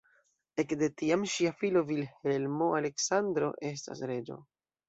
Ekde tiam ŝia filo Vilhelmo-Aleksandro estas reĝo.